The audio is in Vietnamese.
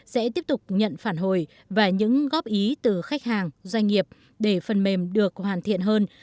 sẽ tiếp tục nhận phản hồi và những góp ý từ khách hàng doanh nghiệp để phần mềm được hoàn thiện hơn